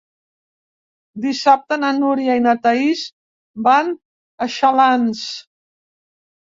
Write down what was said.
Dissabte na Núria i na Thaís van a Xalans.